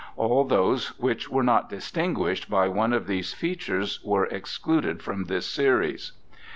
All those which were not distinguished by one of these features were excluded from this series.